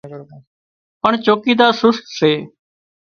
پڻ چوڪيدار سست سي